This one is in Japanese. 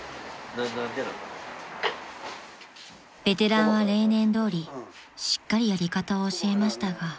［ベテランは例年どおりしっかりやり方を教えましたが］